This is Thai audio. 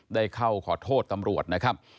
ได้เข้าขอโทษตำรวจนะครับ